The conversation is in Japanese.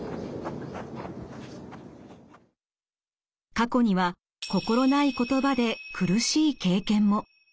過去には心ない言葉で苦しい経験も。